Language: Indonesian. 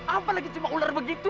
apalagi cuma ular begitu